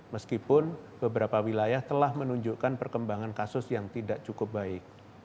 meskipun beberapa wilayah telah menunjukkan perkembangan kasus yang tidak cukup baik